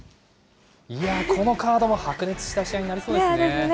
このカードも白熱した試合になりそうですね。